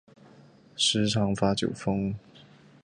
时常发酒疯